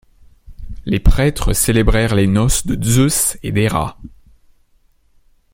Les prêtres célébrèrent les noces de Zeus et d'Héra.